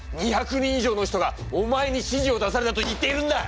２００人以上の人がお前に指示を出されたと言っているんだ！